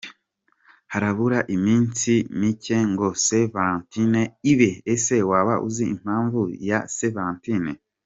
Harabura iminsi mike ngo St Valentine ibe , Ese wabuzi impamvu ya St valentin ?.